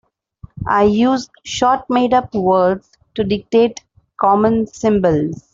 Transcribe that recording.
I use short made-up words to dictate common symbols.